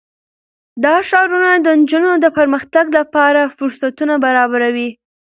دا ښارونه د نجونو د پرمختګ لپاره فرصتونه برابروي.